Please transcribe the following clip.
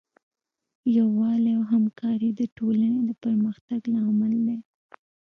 یووالی او همکاري د ټولنې د پرمختګ لامل دی.